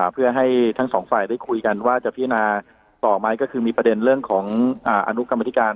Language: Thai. เพื่อให้ทั้งสองฝ่ายได้คุยกันว่าจะพินาต่อไหมก็คือมีประเด็นเรื่องของอนุกรรมธิการ